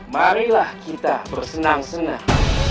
marilah kita bersenang senang